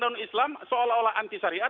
dalam islam seolah olah anti syariah